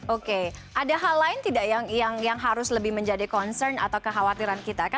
oke ada hal lain tidak yang harus lebih menjadi concern atau kekhawatiran kita